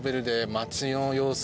街の様子